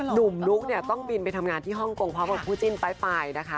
หนุ่มนุ๊กต้องบินไปทำงานที่ฮ่องกงเพราะว่าผู้จิ้นไปนะคะ